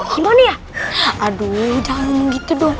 gimana ya aduh jangan gitu dong